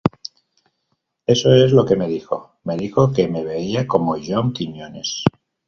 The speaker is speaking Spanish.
Eso es lo que me dijo, me dijo que me veía como John Quiñones.